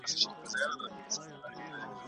ساه اخیستل د هغې لپاره د وفا نښه وه.